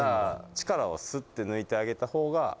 力はすって抜いてあげたほうが。